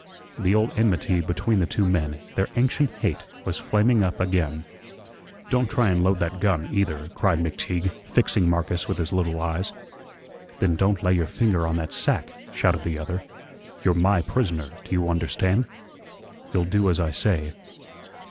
The old enmity between the two men, their ancient hate, was flaming up again. "Don't try an' load that gun either," cried McTeague, fixing Marcus with his little eyes. "Then don't lay your finger on that sack," shouted the other. "You're my prisoner, do you understand? You'll do as I say."